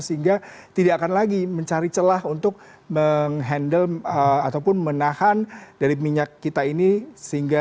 sehingga tidak akan lagi mencari celah untuk menghandle ataupun menahan dari minyak kita ini